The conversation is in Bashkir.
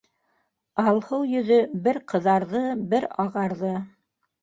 Алһыу йөҙө бер ҡыҙарҙы, бер ағарҙы.